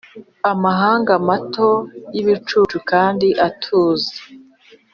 amahanga mato yibicucu, kandi atuze